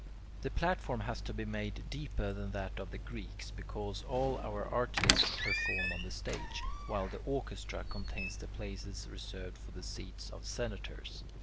The platform has to be made deeper than that of the Greeks, because all our artists perform on the stage, while the orchestra contains the places reserved for the seats of senators.